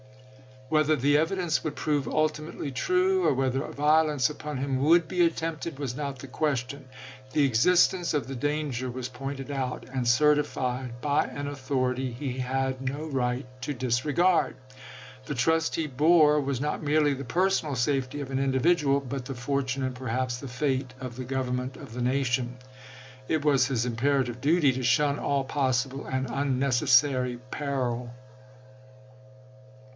Whether the evidence chap.xx. would prove ultimately true, or whether violence upon him would be attempted, was not the ques tion. The existence of the danger was pointed out and certified by an authority he had no right to disregard; the trust he bore was not merely the personal safety of an individual, but the fortune and perhaps the fate of the Government of the nation. It was his imperative duty to shun all possible and unnecessary peril.